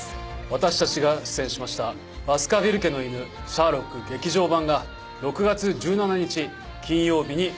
私たちが出演しました『バスカヴィル家の犬シャーロック劇場版』が６月１７日金曜日に公開となります。